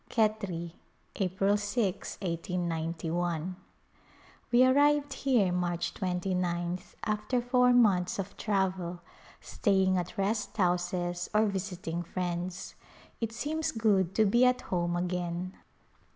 Khetri^ April 6^ l8gi. We arrived here March 29th after four months of travel, staying at rest houses or visiting friends. It seems good to be at home again.